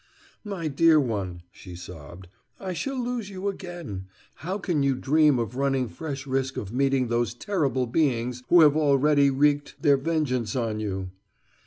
"My dear one," she sobbed, "I shall lose you again. How can you dream of running fresh risk of meeting those terrible beings who have already wreaked their vengeance on you?"